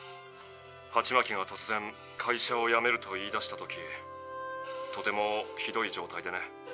ハチマキが突然「会社をやめる」と言いだした時とてもひどい状態でね。